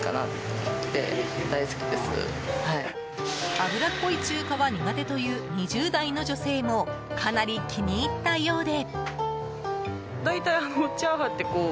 脂っこい中華は苦手という２０代の女性もかなり気に入ったようで。